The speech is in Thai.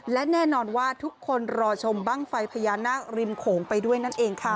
และแน่นอนว่าทุกคนรอชมบ้างไฟพญานาคริมโขงไปด้วยนั่นเองค่ะ